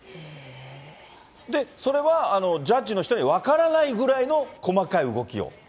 で、それはジャッジの人に分からないぐらいの細かい動きを？